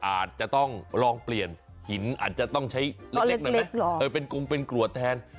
อาจจะต้องลองเปลี่ยนหินอาจจะต้องใช้เล็กหน่อยไหมเป็นกงเป็นกรวดแทน